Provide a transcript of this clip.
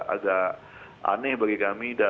agak aneh bagi kami